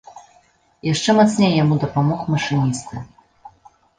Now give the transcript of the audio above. Яшчэ мацней яму дапамог машыністы.